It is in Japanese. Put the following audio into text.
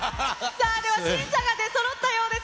さあ、では審査が出そろったようです。